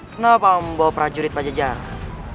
kenapa membawa prajurit pada jalan